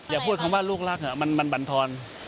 อย่าพูดคำว่าลูกรักมันบรรทอน